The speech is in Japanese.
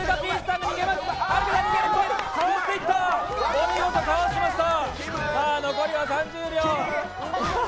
お見事、かわしました。